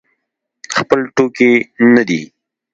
خپل ټوکي نه دی.